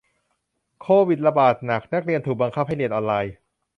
โควิดระบาดหนัก นักเรียนถูกบังคับให้เรียนออนไลน์